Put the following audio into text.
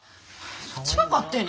そっちが勝手に。